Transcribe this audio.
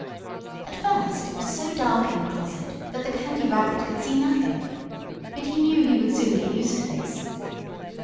At first it was so dark in the closet that the Candy Rabbit could see nothing. But he knew he would soon get used to this.